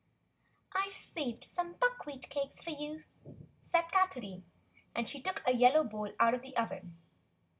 "I've saved some buckwheat cakes for you," said Catherine, and she took a yellow bowl out of the oven.